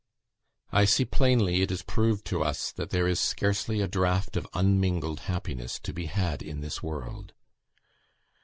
"I see plainly it is proved to us that there is scarcely a draught of unmingled happiness to be had in this world.